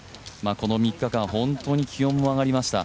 この３日間、本当に気温も上がりました。